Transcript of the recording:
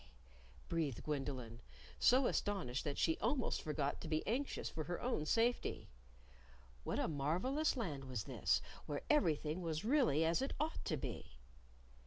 breathed Gwendolyn, so astonished that she almost forgot to be anxious for her own safety. (What a marvelous Land was this where everything was really as it ought to be!)